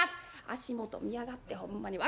「足元見やがってほんまに。